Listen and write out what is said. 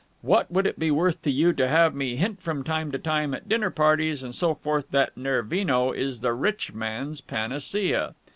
What would it be worth to you to have me hint from time to time at dinner parties and so forth that Nervino is the rich man's panacea?'